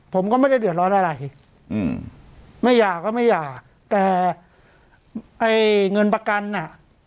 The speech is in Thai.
ผมก็ไม่ได้เดือดร้อนอะไรอืมไม่หย่าก็ไม่หย่าแต่ไอ้เงินประกันน่ะ